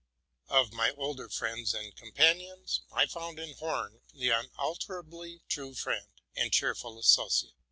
Of my older friends and companions, I found in Horn the unalterably true friend and cheerful associate.